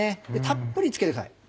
たっぷり付けてください。